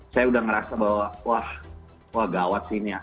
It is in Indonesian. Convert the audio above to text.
saya udah ngerasa bahwa wah gawat sih ini ya